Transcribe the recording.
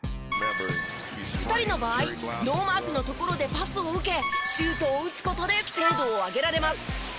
２人の場合ノーマークのところでパスを受けシュートを打つ事で精度を上げられます。